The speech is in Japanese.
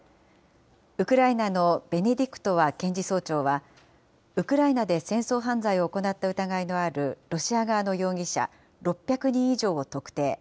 ウクライナのベネディクトワ検事総長は、ウクライナで戦争犯罪を行った疑いのあるロシア側の容疑者６００人以上を特定。